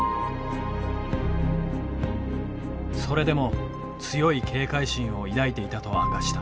それでも強い警戒心を抱いていたと明かした。